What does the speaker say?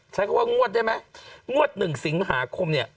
เพราะว่างวดได้ไหมงวดหนึ่งสิงหาคมเนี่ย